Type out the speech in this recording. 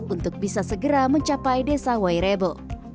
untuk bisa segera mencapai desa wairebo